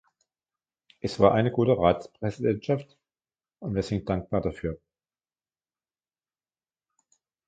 Es war eine gute Ratspräsidentschaft, und wir sind dankbar dafür.